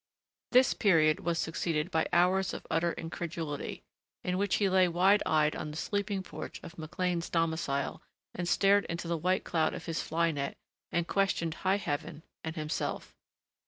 This period was succeeded by hours of utter incredulity, in which he lay wide eyed on the sleeping porch of McLean's domicile and stared into the white cloud of his fly net and questioned high heaven and himself.